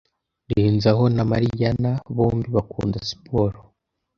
Renzaho na Mariyana bombi bakunda siporo.